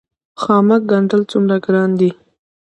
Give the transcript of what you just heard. خامک ګنډل څومره ګران دي؟